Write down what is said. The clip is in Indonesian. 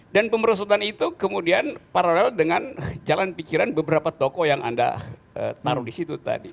dan pemberosotan itu kemudian paralel dengan jalan pikiran beberapa toko yang anda taruh di situ tadi